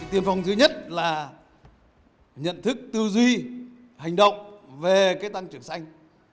tiên phong thứ nhất là nhận thức tư duy hành động về tăng trưởng xanh